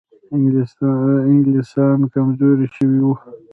انګلیسان کمزوري شوي وو.